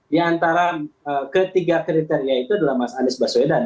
di antara ketiga kriteria itu adalah mas anies baswedan